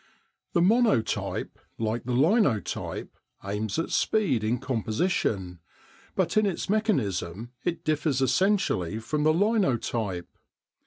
The Monotype, like the Linotype, aims at speed in composition, but in its mechanism it differs essentially from the linotype.